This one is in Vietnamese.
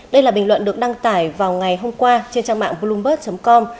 đây là bình luận được đăng tải vào ngày hôm qua trên trang mạng bloomberg com